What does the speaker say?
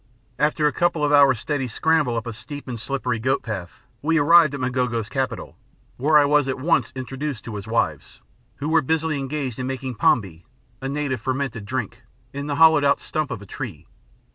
After a couple of hours' steady scramble up a steep and slippery goatpath, we arrived at M'gogo's capital, where I was at once introduced to his wives, who were busily engaged in making pombe (a native fermented drink) in the hollowed out stump of a tree.